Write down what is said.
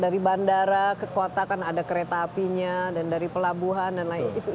dari bandara ke kota kan ada kereta apinya dan dari pelabuhan dan lain sebagainya